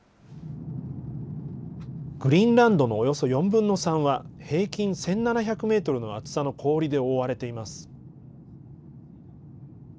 グリーンランドのおよそ４分の３は、平均１７００メートルの厚さの氷で覆われています。